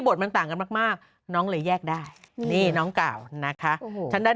ทมันต่างกันมากน้องเลยแยกได้นี่น้องกล่าวนะคะทางด้าน